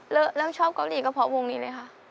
แล้วเริ่มชอบเกาหลีก็เพราะวงนี้เลยค่ะ